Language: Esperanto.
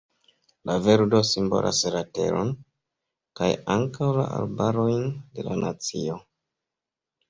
La verdo simbolas la teron, kaj ankaŭ la arbarojn de la nacio.